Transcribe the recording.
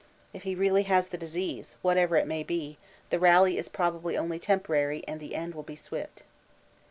If he really has the disease, whatever it may be, the rally is probably only temporary and the end will be swift.